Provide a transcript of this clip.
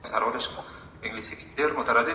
ماشوم به پوهه ترلاسه کړې وي.